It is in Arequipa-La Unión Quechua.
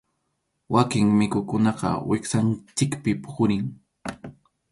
Wakin mikhuykunaqa wiksanchikpi puqurin.